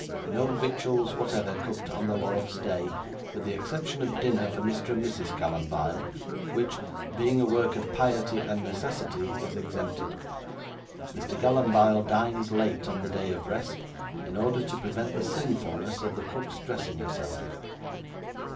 No victuals whatever cooked on the Lord's Day, with the exception of dinner for Mr. and Mrs. Gallanbile, which, being a work of piety and necessity, is exempted. Mr. Gallanbile dines late on the day of rest, in order to prevent the sinfulness of the cook's dressing herself."